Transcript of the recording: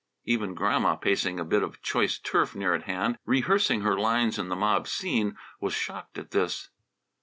Even Grandma, pacing a bit of choice turf near at hand, rehearsing her lines in the mob scene, was shocked at this.